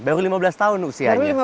baru lima belas tahun usianya